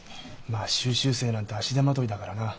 まあ修習生なんて足手まといだからな。